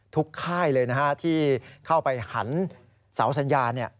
ทุกค่ายเลยที่เข้าไปหันเสาสัญญา